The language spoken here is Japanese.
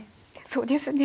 そうですね。